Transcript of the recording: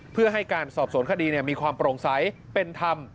เพื่อให้การสอบสวนคดีมีความโปร่งใสเป็นธรรม